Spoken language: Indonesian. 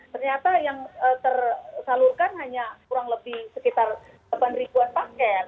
ternyata yang tersalurkan hanya kurang lebih sekitar delapan ribuan paket